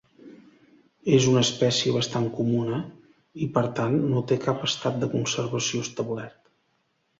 És una espècie bastant comuna, i per tant no té cap estat de conservació establert.